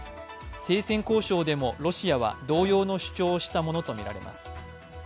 停戦交渉でもロシアは同様の主張をしたものとみられます。